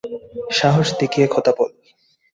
সাহস দেখিয়ে কথা বল।